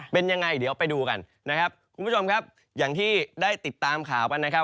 เป็นยังไงเดี๋ยวไปดูกันนะครับคุณผู้ชมครับอย่างที่ได้ติดตามข่าวกันนะครับ